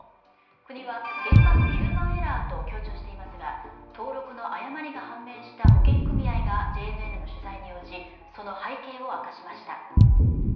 国は現場のヒューマンエラーと強調していますが登録の誤りが判明した保険組合がＪＮＮの取材に応じその背景を明かしました。